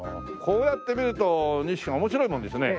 こうやって見ると西木さん面白いもんですね。